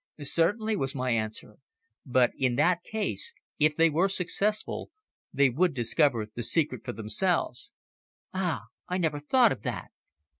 "Certainly," was my answer, "but in that case, if they were successful they would discover the secret for themselves." "Ah, I never thought of that!"